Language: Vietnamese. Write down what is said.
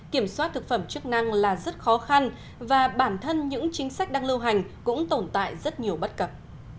kiểm soát thực phẩm chức năng là rất khó khăn và bản thân những chính sách đang lưu hành cũng tồn tại rất nhiều bất cập